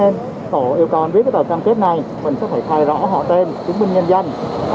cho nên tổ yêu cầu anh viết cái tờ cam kết này mình sẽ phải khai rõ họ tên chúng mình nhân danh